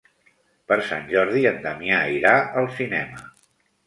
Per Sant Jordi en Damià irà al cinema.